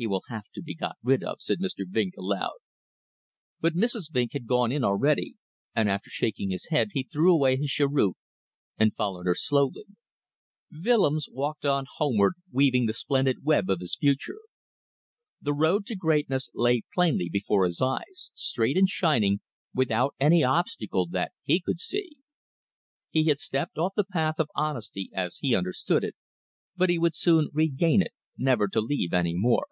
He will have to be got rid of," said Mr. Vinck aloud. But Mrs. Vinck had gone in already, and after shaking his head he threw away his cheroot and followed her slowly. Willems walked on homeward weaving the splendid web of his future. The road to greatness lay plainly before his eyes, straight and shining, without any obstacle that he could see. He had stepped off the path of honesty, as he understood it, but he would soon regain it, never to leave it any more!